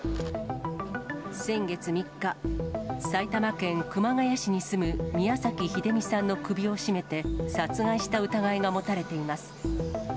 先月３日、埼玉県熊谷市に住む宮崎英美さんの首を絞めて殺害した疑いが持たれています。